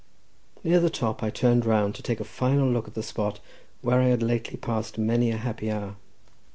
Near the top I turned round to take a final look at the spot where I had lately passed many a happy hour.